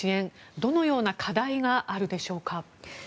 どのような課題があるでしょうか。